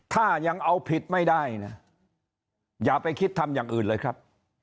ถ้ายังเอาผิดไม่ได้นะอย่าไปคิดทำอย่างอื่นเลยครับ